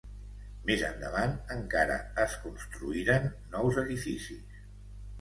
Més endavant encara es construïren nous edificis.